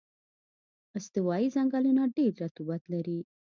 استوایي ځنګلونه ډېر رطوبت لري.